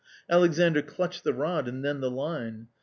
Alexandr clutched the rod, and then the line.